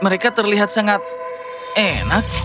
mereka terlihat sangat enak